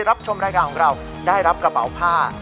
รับชมรายการของเราได้รับกระเป๋าผ้า